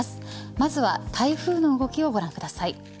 まずは台風の動きをご覧ください。